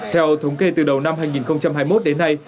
theo thống kê từ đầu năm hai nghìn hai mươi một đến nay